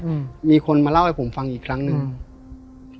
อืมมีคนมาเล่าให้ผมฟังอีกครั้งหนึ่งอืม